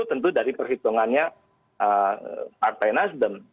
tentu dari persitungannya partai nasjidem